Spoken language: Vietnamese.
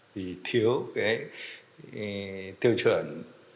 vì thiếu cái tiêu chuẩn